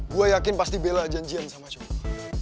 gue yakin pasti bela janjian sama suami